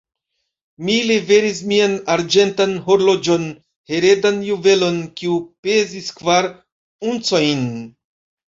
Mi liveris mian arĝentan horloĝon, heredan juvelon, kiu pezis kvar uncojn.